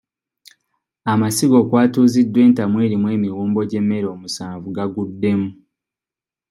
Amasiga okwatuziddwa entamu erimu emiwumbo gy'emmere omusanvu gaguddemu.